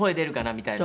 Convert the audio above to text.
みたいな。